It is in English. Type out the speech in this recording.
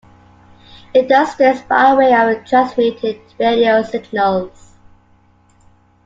It does this by way of transmitted radio signals.